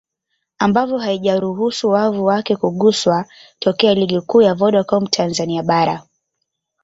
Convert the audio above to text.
ambayo haijaruhusu wavu wake kuguswa tokea Ligi Kuu ya Vodacom Tanzania Bara